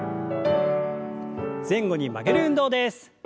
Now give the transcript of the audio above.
前後に曲げる運動です。